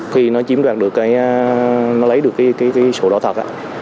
khi nó chiếm đoạt được cái nó lấy được cái sổ đỏ thật